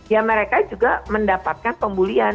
ya mereka juga mendapatkan pembulian